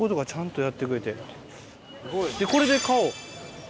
これで買おう。